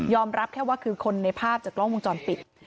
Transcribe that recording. รับแค่ว่าคือคนในภาพจากกล้องวงจรปิด